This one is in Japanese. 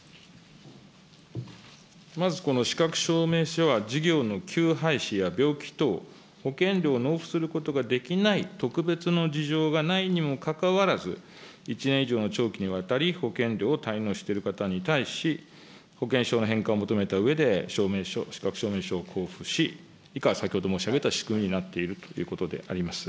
まずこの資格証明書は、事業の休廃止や病気等、保険料を納付することができない特別の事情がないにもかかわらず、１年以上の長期にわたり保険料を滞納している方に対し、保険証の返還を求めたうえで証明書、資格証明書を交付し、以下、先ほど申し上げた仕組みになっているということであります。